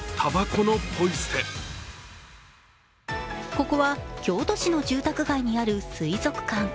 ここは京都市の住宅街にある水族館。